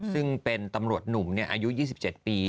ซึ่งเป็นตำรวจหนุ่มอายุ๒๗ปี